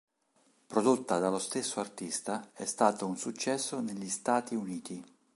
Prodotta dallo stesso artista, è stata un successo negli Stati Uniti.